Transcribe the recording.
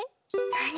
なに？